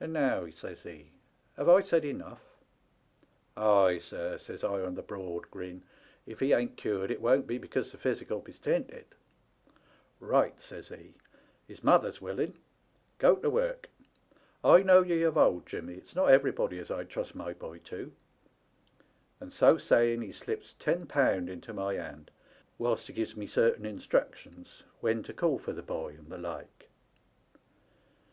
And now/ says he, * have I said enough ?'"* Ay, sir,' says I, on the broad grin, ' if he ain't cured it won't be because the physic '11 be stinted.' "* Eight,' says he, * his mother's willing. Go to work. I know ye of old, Jimmy; it's not everybody as I'd trust my boy to,' and so saying he slips ten pound into my hand, whilst he gives me certain instructions when to call for the boy and the like.